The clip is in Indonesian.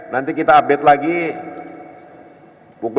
nanti kita update lagi pukul dua puluh ya